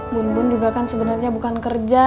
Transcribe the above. bumbun juga kan sebenernya bukan kerja